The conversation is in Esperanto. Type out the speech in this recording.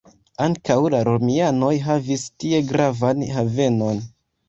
Ankaŭ la romianoj havis tie gravan havenon.